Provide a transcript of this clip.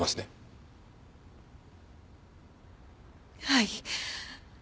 はい。